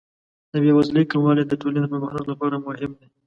د بې وزلۍ کموالی د ټولنې د پرمختګ لپاره مهم دی.